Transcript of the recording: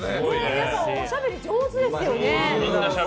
皆さんおしゃべり上手ですよね。